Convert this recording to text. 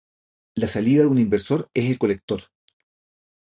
La salida de un inversor es el colector.